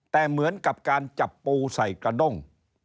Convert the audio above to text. แต่เหมือนกับการจับปูใส่กระด้ง